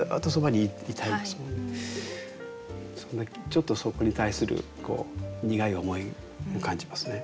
ちょっとそこに対する苦い思いを感じますね。